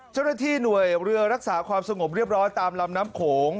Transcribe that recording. เจ้าหน้าที่หน่วยเรือรักษาความสงบเรียบร้อยตามลำน้ำโขง